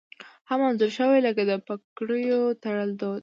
هم انځور شوي لکه د پګړیو تړل دود